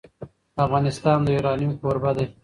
افغانستان د یورانیم کوربه دی.